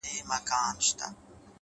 هره لاسته راوړنه د زحمت نتیجه ده،